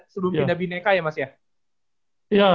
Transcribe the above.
sebelum pindah bineka ya mas ya